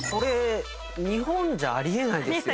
日本じゃあり得ないですよね。